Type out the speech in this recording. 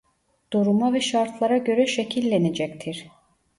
Duruma ve şartlara göre şekillenecektir